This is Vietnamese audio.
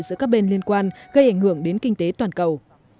giữa các bên liên quan gây ảnh hưởng đến kinh tế toàn cầu